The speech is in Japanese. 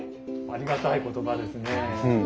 ありがたい言葉ですね。